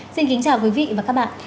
xin kính chào quý vị và các bạn